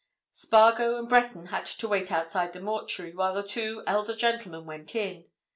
Spargo and Breton had to wait outside the mortuary while the two elder gentlemen went in.